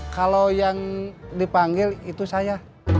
kalau yang dipanggil itu saya